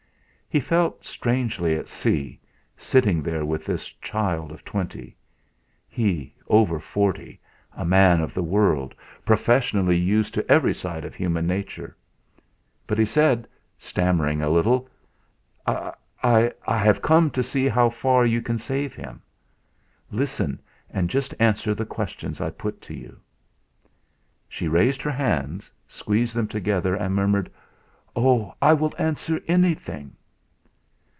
He felt strangely at sea, sitting there with this child of twenty; he, over forty, a man of the world, professionally used to every side of human nature. But he said, stammering a little: "I I have come to see how far you can save him. Listen, and just answer the questions I put to you." She raised her hands, squeezed them together, and murmured: "Oh! I will answer anything."